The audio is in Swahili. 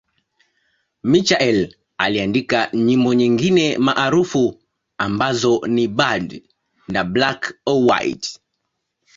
Michael aliandika nyimbo nyingine maarufu ambazo ni 'Bad' na 'Black or White'.